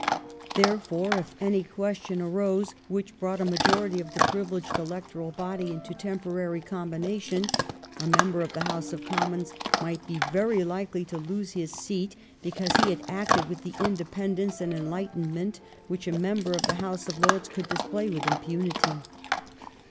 Therefore, if any question arose which brought a majority of the privileged electoral body into temporary combination, a member of the House of Commons might be very likely to lose his seat because he had acted with the independence and enlightenment which a member of the House of Lords could display with impunity.